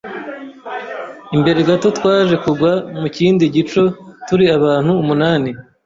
imbere gato twaje kugwa mu kindi gico turi abantu umunani,